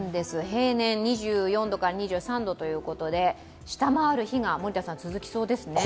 平年２４度から２３度ということで、下回る日が続きそうですね。